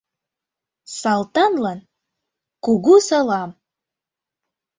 Салтанлан — кугу салам.